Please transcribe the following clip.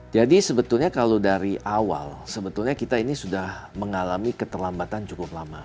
jadi sebetulnya kalau dari awal sebetulnya kita ini sudah mengalami keterlambatan cukup lama